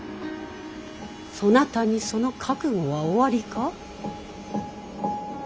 そなたにその覚悟はおありか。